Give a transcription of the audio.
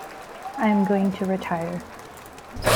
I am going to retire.